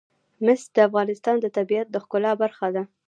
مس د افغانستان د طبیعت د ښکلا برخه ده.